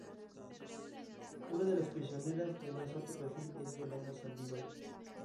Una de las prisioneras de más alto perfil es Yolanda Saldívar.